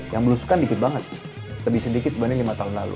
yang berusukan dikit banget lebih sedikit dibanding lima tahun lalu